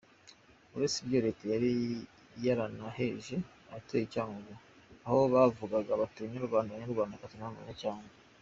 Uretse ibyo, leta yari yaranaheje abatuye Cyangugu, aho bavugaga bati ‘banyarwanda banyarwandakazi namwe banyacyangugu.